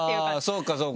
そうかそうか。